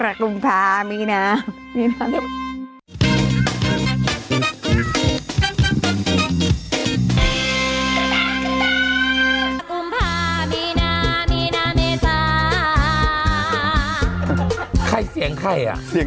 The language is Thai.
มันติดคุกออกไปออกมาได้สองเดือน